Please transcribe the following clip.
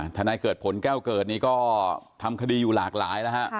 นายเกิดผลแก้วเกิดนี่ก็ทำคดีอยู่หลากหลายแล้วฮะ